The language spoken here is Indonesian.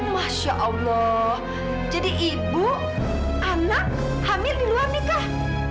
masya allah jadi ibu anak hamil di luar nikah